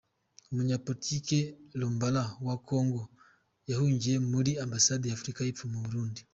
Umunyapolitiki Lumbala wa kongo yahungiye muri Ambasade y’Afurika y’Epfo mu Burundi